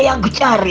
ini dia yang kucari